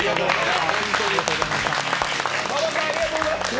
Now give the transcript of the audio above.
馬場さん、ありがとうございました！